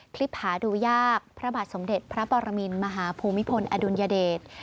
คลิปหาดูยากพระบาทสมเด็จพระปรมินมหาภูมิพลอดุลยเดช